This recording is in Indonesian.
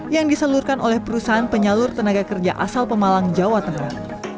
yang diseluruhkan oleh perusahaan penyalur tenaga kerja asal pemalang jawa tengah